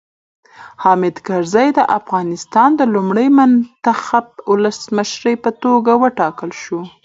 حامد کرزی د افغانستان د لومړي منتخب ولسمشر په توګه وټاکل شو.